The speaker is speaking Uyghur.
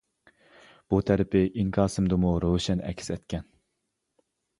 بۇ تەرىپى ئىنكاسىمدىمۇ روشەن ئەكس ئەتكەن.